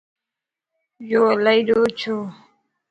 يو الائي ڏور ڇو؟